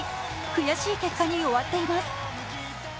悔しい結果に終わっています。